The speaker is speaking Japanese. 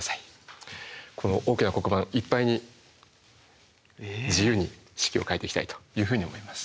この大きな黒板いっぱいに自由に式を書いていきたいというふうに思います。